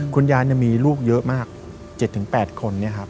คุณยายมีลูกเยอะมาก๗๘คน